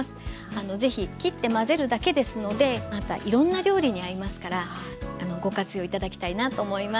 是非切って混ぜるだけですのでまたいろんな料理に合いますからご活用頂きたいなと思います。